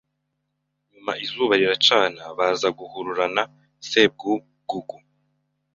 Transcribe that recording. Nyuma izuba riracana Baza guhurana Sebwugugu